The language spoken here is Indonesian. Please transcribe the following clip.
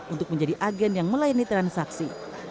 untuk menjadi agen yang melayani transaksi